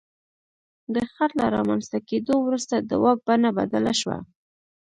د خط له رامنځته کېدو وروسته د واک بڼه بدله شوه.